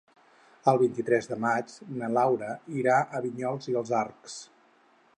El vint-i-tres de maig na Laura irà a Vinyols i els Arcs.